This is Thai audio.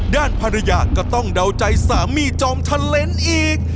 ด้านภรรยาก็ต้องเดาใจสามี่จอมเทล็นต์อีก